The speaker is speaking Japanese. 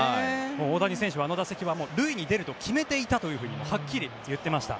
大谷選手はあの打席は塁に出ると決めていたとはっきり言っていました。